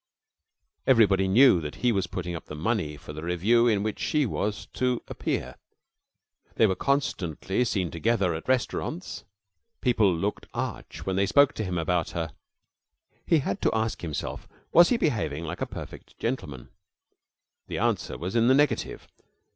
Everybody knew that he was putting up the money for the revue in which she was to appear; they were constantly seen together at restaurants; people looked arch when they spoke to him about her. He had to ask himself: was he behaving like a perfect gentleman? The answer was in the negative.